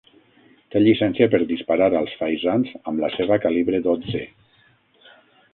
Té llicència per disparar als faisans amb la seva calibre dotze